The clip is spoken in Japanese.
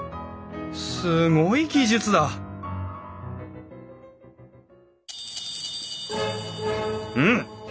すごい技術だうん！？